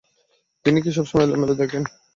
তিনি কি সবসময় এলোমেলো লেখেন?